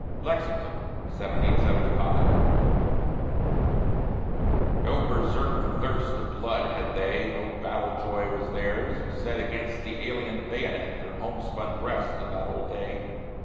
LEXINGTON No Berserk thirst of blood had they, No battle joy was theirs, who set Against the alien bayonet Their homespun breasts in that old day.